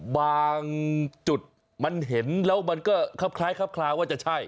บางจุดมันเห็นแล้วมันก็คลับคล้ายครับคลาว่าจะใช่